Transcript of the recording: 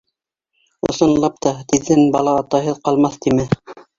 Ысынлап та, тиҙҙән бала атайһыҙ ҡалмаҫ, тимә...